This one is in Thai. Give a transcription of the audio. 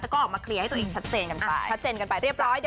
แต่ก็ออกมาเคลียร์ให้ตัวอีกชัดเจนกันไป